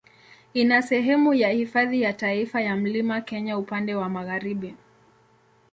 Ina sehemu ya Hifadhi ya Taifa ya Mlima Kenya upande wa magharibi.